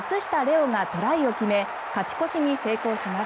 央がトライを決め勝ち越しに成功します。